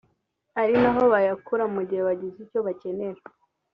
ari naho bayakura mu gihe bagize icyo bakenera